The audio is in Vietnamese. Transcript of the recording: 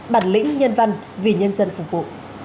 bản lĩnh nhân văn vì nhân dân phục vụ